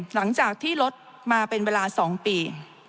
หลังจากที่ลดมาเป็นเวลา๒ปี